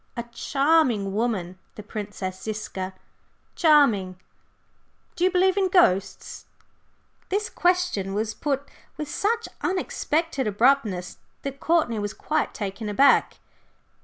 A charming woman, the Princess Ziska charming! Do you believe in ghosts?" This question was put with such unexpected abruptness that Courtney was quite taken aback.